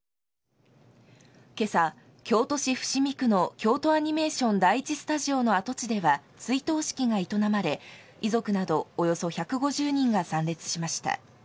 けさ、京都市伏見区の京都アニメーション第一スタジオの跡地では、追悼式が営まれ、遺族などおよそ１５０人が参列しました。